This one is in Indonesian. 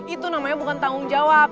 itu namanya bukan tanggung jawab